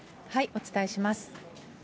お伝えします。